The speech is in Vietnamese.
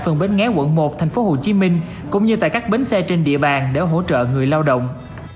phường bến nghé quận một tp hcm cũng như tại các bến xe trên địa bàn để hỗ trợ người lao động